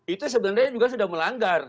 itu sebenarnya juga sudah melanggar